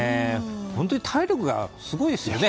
本当に体力がすごいですよね。